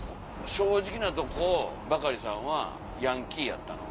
正直なとこバカリさんはヤンキーやったの？